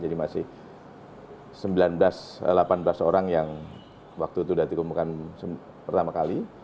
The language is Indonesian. jadi masih sembilan belas delapan belas orang yang waktu itu sudah ditemukan pertama kali